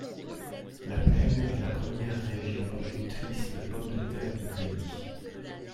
La plaine est la première région productrice de pommes de terre du pays.